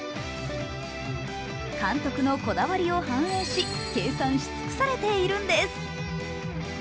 監督のこだわりを反映し、計算し尽くされているんです。